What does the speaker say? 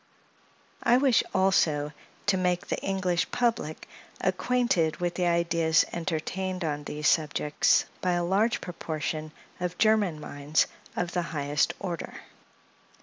I wish, also, to make the English public acquainted with the ideas entertained on these subjects by a large proportion of German minds of the highest order.